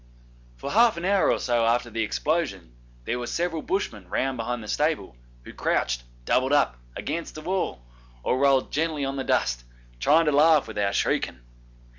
For half an hour or so after the explosion there were several Bushmen round behind the stable who crouched, doubled up, against the wall, or rolled gently on the dust, trying to laugh without shrieking.